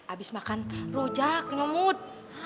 abis makan rujak nyamud